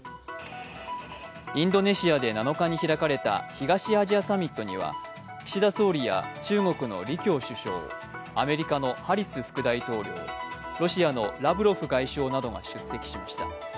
インドネシアで７日に開かれた東アジアサミットには岸田総理や中国の李強首相、アメリカのハリス副大統領、ロシアのラブロフ外相などが出席しました。